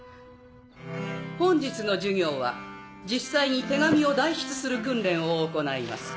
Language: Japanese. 本日の授業は実際に手紙を代筆する訓練を行います。